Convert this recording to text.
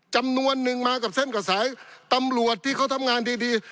จำนวนนึงมากับเส้นกับสายตำรวจที่เขาทำงานดีดี